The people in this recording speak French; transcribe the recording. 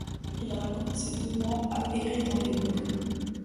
Il raconte ces deux mois à errer dans les bois.